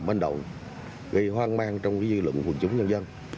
banh động gây hoang mang trong dư luận của quân chúng nhân dân